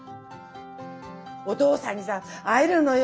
お父さんにさ会えるのよ。